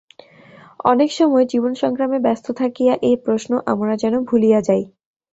অনেক সময় জীবন-সংগ্রামে ব্যস্ত থাকিয়া এই প্রশ্ন আমরা যেন ভুলিয়া যাই।